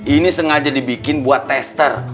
ini sengaja dibikin buat tester